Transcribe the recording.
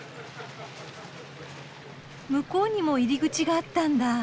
向こうにも入り口があったんだ。